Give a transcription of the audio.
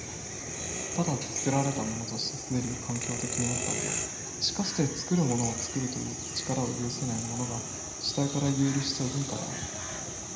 ただ、作られたものとして既に環境的となったもの、しかして作るものを作るという力を有せないものが、主体から遊離した文化である。